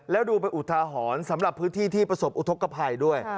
แล้วดูเป็นอุทาหรณ์สำหรับพื้นที่ที่ประสบอุทธกภัยด้วย